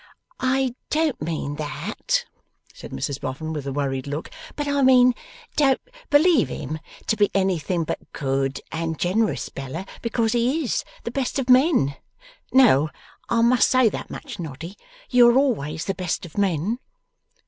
'I don't mean that,' said Mrs Boffin, with a worried look, 'but I mean, don't believe him to be anything but good and generous, Bella, because he is the best of men. No, I must say that much, Noddy. You are always the best of men.